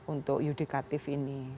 untuk yudikatif ini